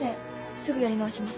すぐやり直します。